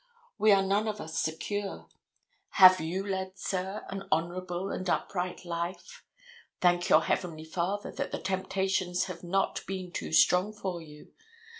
We are none of us secure. Have you led, sir, an honorable, an upright life? Thank your Heavenly Father that the temptations have not been too strong for you.